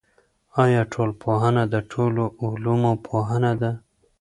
آیا ټولنپوهنه د ټولو علومو پوهنه ده؟